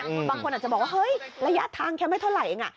บางคนอาจจะบอกว่าเฮ้ยระยะทางแค่ไม่เท่าไหร่เอง